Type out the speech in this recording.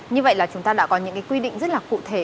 như vậy là chúng ta đã có những quy định rất là cụ thể